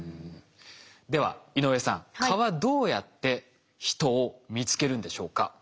では井上さん蚊はどうやって人を見つけるんでしょうか？